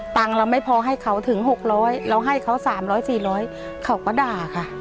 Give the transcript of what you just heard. เราไม่พอให้เขาถึง๖๐๐เราให้เขา๓๐๐๔๐๐เขาก็ด่าค่ะ